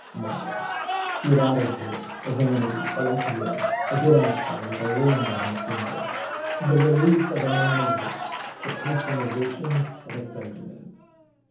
No. She had added to it a vanity, a luxury, a good action like a ring on her finger, the relief of a man of wit, the patronization of a clergyman.